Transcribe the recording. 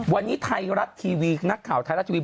วันนี้ไทยรัฐทีวีนักข่าวไทยรัฐทีวี